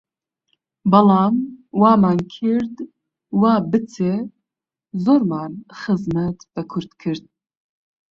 بەڵام وامان کرد، وا بچێ، زۆرمان خزمەت بە کورد کرد